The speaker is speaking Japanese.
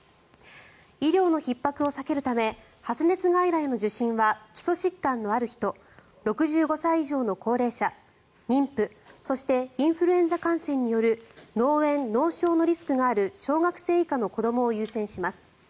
医療のひっ迫を避けるため発熱外来の受診は基礎疾患のある人６５歳以上の高齢者妊婦そしてインフルエンザ感染による脳炎・脳症のリスクがある小学生以下の子どもを優先します。